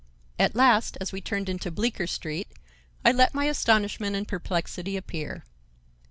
At last, as we turned into Bleecker Street, I let my astonishment and perplexity appear.